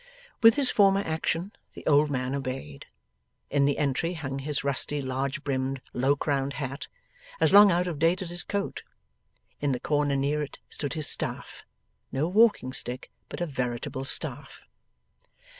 With his former action the old man obeyed. In the entry hung his rusty large brimmed low crowned hat, as long out of date as his coat; in the corner near it stood his staff no walking stick but a veritable staff.